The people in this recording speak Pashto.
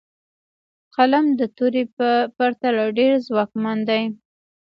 قلم د تورې په پرتله ډېر ځواکمن دی.